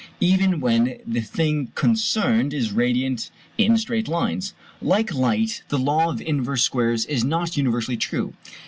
Even when the thing concerned is radiant in straight lines, like light, the law of inverse squares is not universally true.